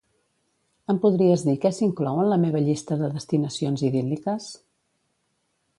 Em podries dir què s'inclou en la meva llista de destinacions idíl·liques?